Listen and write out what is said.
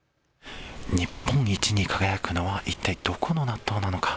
日本一に輝くのはいったいどこの納豆なのか。